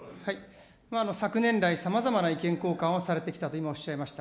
昨年来、さまざまな意見交換をされてきたと今おっしゃいました。